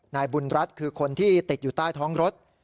นายบุญรัฐคือคนที่ติดอยู่ใต้ท้องรถ